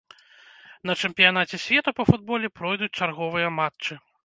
На чэмпіянаце свету па футболе пройдуць чарговыя матчы.